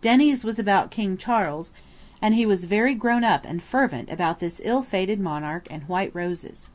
Denny's was about King Charles, and he was very grown up and fervent about this ill fated monarch and white roses.